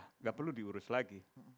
tidak perlu diurus lagi